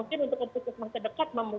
mungkin untuk keputusan yang sedekat